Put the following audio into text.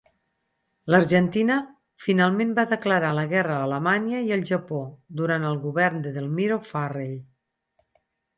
L'Argentina finalment va declarar la guerra a Alemanya i el Japó durant el govern d'Edelmiro Farrell.